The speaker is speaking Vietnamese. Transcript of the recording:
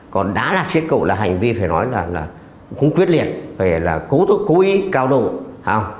còn đã là xích cổ là hành vi phải nói là cũng tuyết liệt phải là cố ý cao độ